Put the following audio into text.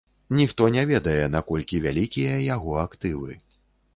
Ніхто не ведае, наколькі вялікія яго актывы.